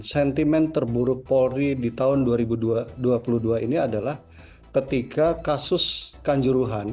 sentimen terburuk polri di tahun dua ribu dua puluh dua ini adalah ketika kasus kanjuruhan